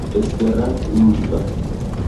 esperantlingva